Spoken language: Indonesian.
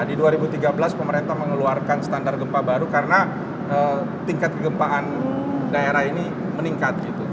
di dua ribu tiga belas pemerintah mengeluarkan standar gempa baru karena tingkat kegempaan daerah ini meningkat